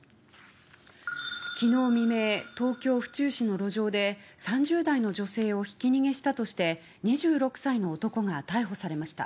昨日未明、東京・府中市の路上で３０代の女性をひき逃げしたとして２６歳の男が逮捕されました。